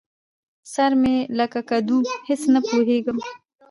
سر مې لکه کدو؛ هېڅ نه پوهېږم.